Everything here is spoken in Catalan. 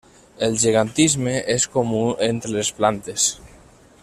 El gegantisme és comú entre les plantes.